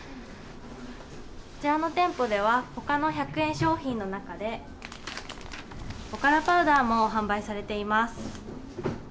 こちらの店舗では、ほかの１００円商品の中で、おからパウダーも販売されています。